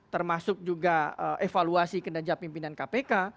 termasuk juga evaluasi kinerja pimpinan kpk